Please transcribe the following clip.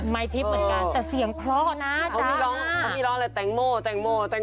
มายทิพย์เหมือนกันแต่เสียงเคราะห์นะจ๊ะนะอ่อ